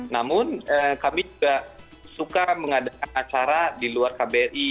namun kami juga suka mengadakan acara di luar kbri